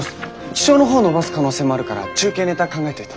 気象の方伸ばす可能性もあるから中継ネタ考えておいて。